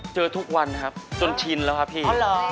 เจอทุกวันนะครับจนชินแล้วอะพี่